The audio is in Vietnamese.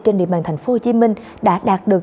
trên địa bàn tp hcm đã đạt được